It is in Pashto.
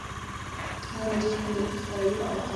هغه نجلۍ چې په انټرنيټ کې خپروي لایقه ده.